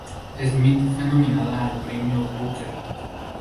Smith y fue nominada al Premio Booker.